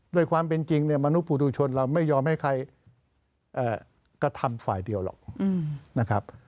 โดยความเป็นจริงมนุษย์ปูดูชนเราไม่ยอมให้ใครกระทำฝ่ายเดียวหรอก